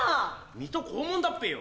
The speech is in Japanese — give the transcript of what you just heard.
水戸黄門だっぺよ。